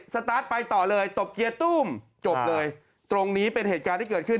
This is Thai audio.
สตาร์ทไปต่อเลยตบเกียร์ตุ้มจบเลยตรงนี้เป็นเหตุการณ์ที่เกิดขึ้น